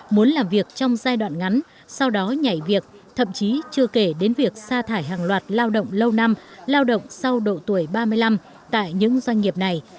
muốn làm việc trong giai đoạn ngắn sau đó nhảy việc thậm chí chưa kể đến việc xa thải hàng loạt lao động lâu năm lao động sau độ tuổi ba mươi năm tại những doanh nghiệp này